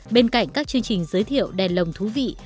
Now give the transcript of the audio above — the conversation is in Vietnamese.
bên cạnh các chương trình giới thiệu đèn lồng thú vị